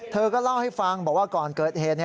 เธอก็เล่าให้ฟังบอกว่าก่อนเกิดเหตุ